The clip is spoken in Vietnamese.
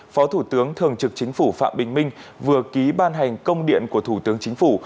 phó thủ tướng thường trực chính phủ phạm bình minh vừa ký ban hành công điện của thủ tướng chính phủ